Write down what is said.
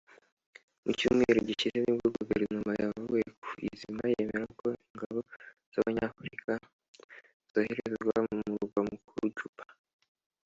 Mu cyumweru gishize nibwo Guverinoma yavuye ku izima yemera ko ingabo z’Abanyafurika zoherezwa mu murwa mukuru Juba